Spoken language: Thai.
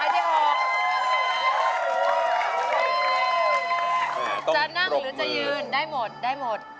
แม่ต้องปรบมือจะนั่งหรือจะยืนได้หมดได้หมด